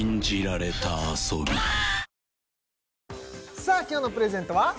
さあ今日のプレゼントは？